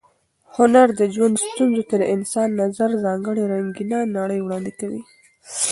هنر د ژوند ستونزو ته د انسان د نظر ځانګړې رنګینه نړۍ وړاندې کوي.